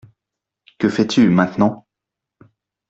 Que fais-tu Maintenant ?